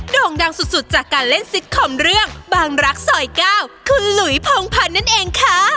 ่งดังสุดจากการเล่นซิตคอมเรื่องบางรักซอย๙คุณหลุยพงพันธ์นั่นเองค่ะ